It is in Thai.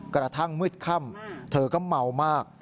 กระทั่งมืดค่ำเธอก็เมามาก